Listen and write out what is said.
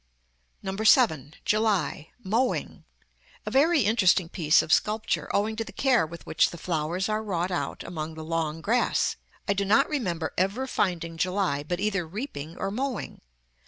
7. JULY. Mowing. A very interesting piece of sculpture, owing to the care with which the flowers are wrought out among the long grass. I do not remember ever finding July but either reaping or mowing.